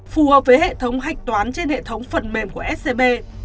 phù hợp với hệ thống hạch toán trên hệ thống phần mềm của scb